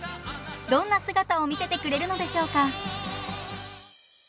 どんな姿を見せてくれるのでしょうか。